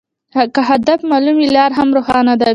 که هدف معلوم وي، لار هم روښانه وي.